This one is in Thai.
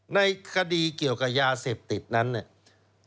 ในคดีเกี่ยวกับยาเสพติดนั้นเนี่ย